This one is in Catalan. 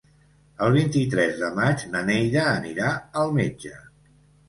El vint-i-tres de maig na Neida anirà al metge.